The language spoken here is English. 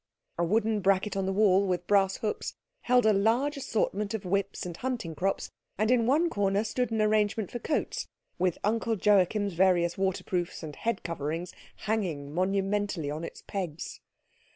A wooden bracket on the wall, with brass hooks, held a large assortment of whips and hunting crops; and in one corner stood an arrangement for coats, with Uncle Joachim's various waterproofs and head coverings hanging monumentally on its pegs.